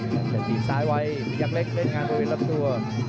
จะตีซ้ายไวประยักษ์เล็กเล่นงานด้วยรับตัว